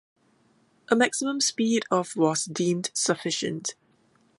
A maximum speed of was deemed sufficient.